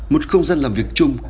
một không gian làm việc chung